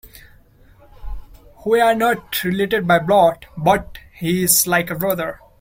We are not related by blood, but he is like a brother.